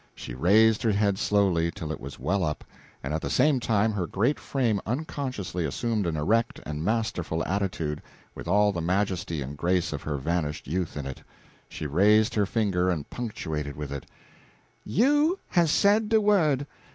She raised her head slowly, till it was well up, and at the same time her great frame unconsciously assumed an erect and masterful attitude, with all the majesty and grace of her vanished youth in it. She raised her finger and punctuated with it: "You has said de word.